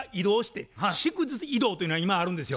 祝日移動というのが今あるんですよ。